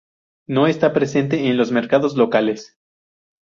No está presente en los mercados locales.